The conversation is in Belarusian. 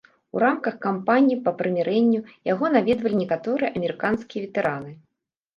У рамках кампаніі па прымірэнню яго наведвалі некаторыя амерыканскія ветэраны.